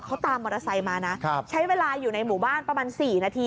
เขาตามมอเตอร์ไซค์มานะใช้เวลาอยู่ในหมู่บ้านประมาณ๔นาที